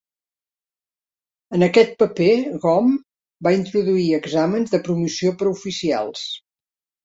En aquest paper, Gomm va introduir exàmens de promoció per a oficials.